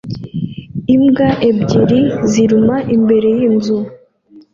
Imbwa ebyiri ziruma imbere yinzu